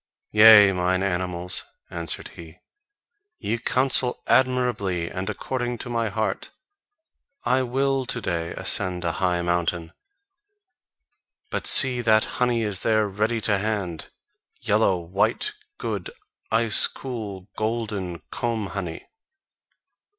"Yea, mine animals," answered he, "ye counsel admirably and according to my heart: I will to day ascend a high mountain! But see that honey is there ready to hand, yellow, white, good, ice cool, golden comb honey.